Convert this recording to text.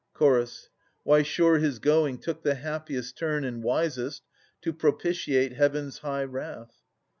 Ch. Why, sure his going took the happiest turn And wisest, to propitiate Heaven's high wrath.